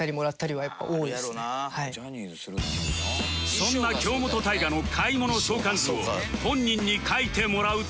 そんな京本大我の買い物相関図を本人に描いてもらうと